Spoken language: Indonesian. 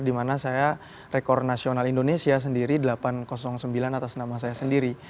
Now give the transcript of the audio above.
dimana saya rekor nasional indonesia sendiri delapan ratus sembilan atas nama saya sendiri